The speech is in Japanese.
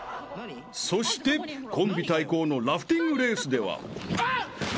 ［そしてコンビ対抗のラフティングレースでは］